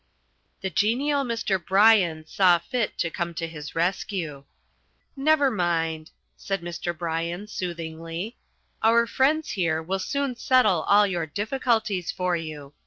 The genial Mr. Bryan saw fit to come to his rescue. "Never mind," said Mr. Bryan soothingly. "Our friends here, will soon settle all your difficulties for you.